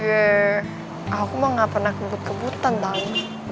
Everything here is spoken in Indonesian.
eh aku mah gak pernah kebut kebutan tani